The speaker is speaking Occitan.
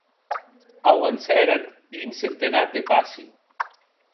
Auancèren un centenat de passi.